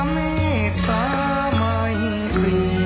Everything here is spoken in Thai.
ทรงเป็นน้ำของเรา